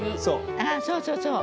ああそうそうそう。